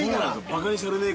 ◆ばかにされねえ